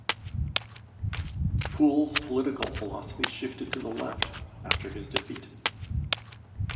Poole's political philosophy shifted to the left after his defeat.